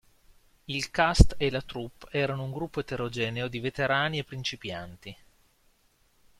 Il cast e la troupe erano un gruppo eterogeneo di veterani e principianti.